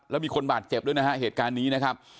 แล้วมีคนบาดเจ็บด้วยนะฮะเหตุการณ์นี้นะครับ